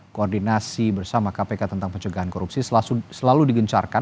koordinasi bersama kpk tentang pencegahan korupsi selalu digencarkan